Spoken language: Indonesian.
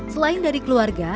selain dari keluarga